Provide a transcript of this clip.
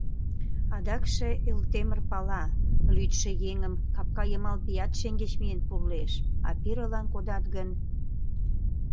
Адакше Элтемыр пала: лӱдшӧ еҥым капкайымал пият шеҥгеч миен пурлеш, а пирылан кодат гын?..